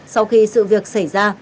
sau khi sự việc xảy ra